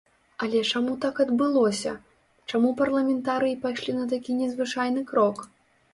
Але чаму так адбылося, чаму парламентарыі пайшлі на такі незвычайны крок?